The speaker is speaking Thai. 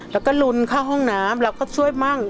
เราก็ลุนเข้าห้องน้ำ